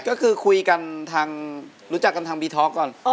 ก็คือคุยกันทางรู้จักกันทางบีท็อกก่อน